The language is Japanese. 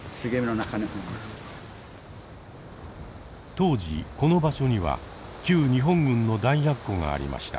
当時この場所には旧日本軍の弾薬庫がありました。